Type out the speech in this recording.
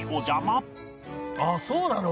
あっそうなの？